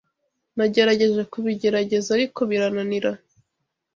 Nagerageje kubigerageza ariko biranira.